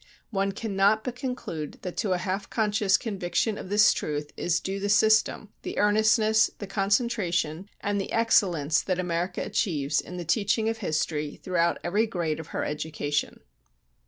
One cannot but conclude that to a half conscious conviction of this truth is due the system, the earnestness, the concentration, and the excellence that America achieves in the teaching of history throughout every grade of her education."